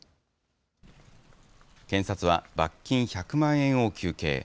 検察は罰金１００万円を求刑。